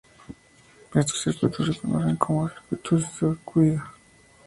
Estos circuitos se conocen como circuitos de sacudida.